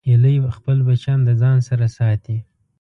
هیلۍ خپل بچیان د ځان سره ساتي